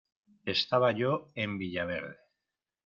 Estaba yo en villaverde.